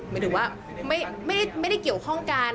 หมายถึงว่าไม่ได้เกี่ยวข้องกัน